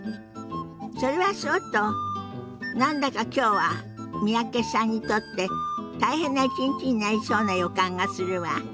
それはそうと何だかきょうは三宅さんにとって大変な一日になりそうな予感がするわ。